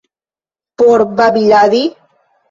Por babiladi?